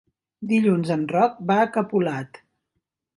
Dilluns en Roc va a Capolat.